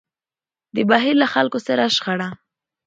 د بهير له خلکو سره شخړه.